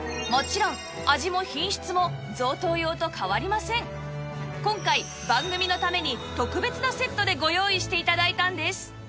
もちろん今回番組のために特別なセットでご用意して頂いたんです